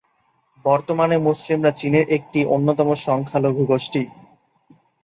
বর্তমানে মুসলিমরা চীনের একটি অন্যতম সংখ্যালঘু গোষ্ঠী।